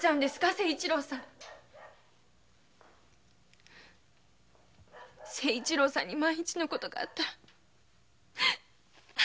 清一郎さんに万一の事があったら私私。